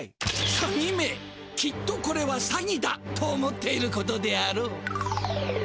サギめきっと「これは詐欺だ！」と思っていることであろう。